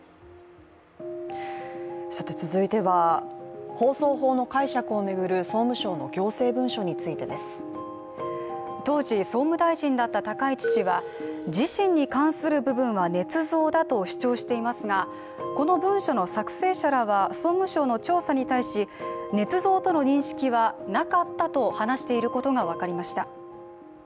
続いては、放送法の解釈を巡る総務省の行政文書についてです。当時、総務大臣だった高市氏は自身に関する部分はねつ造だと主張していますが、この文書の作成者らは総務省の調査に対しねつ造との認識はなかったと話していることが分かりました。